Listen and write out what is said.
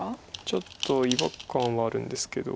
ちょっと違和感はあるんですけど。